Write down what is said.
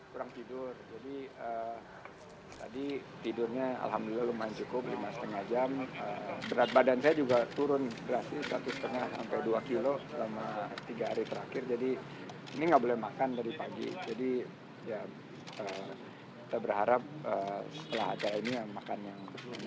berat badan turun nungguin keputusan bergabung